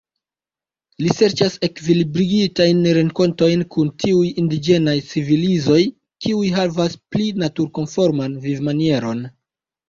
Li serĉas ekvilibrigitajn renkontojn kun tiuj indiĝenaj civilizoj, kiuj havas pli naturkonforman vivmanieron.